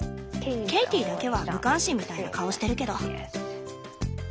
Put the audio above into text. ケイティだけは無関心みたいな顔してるけど。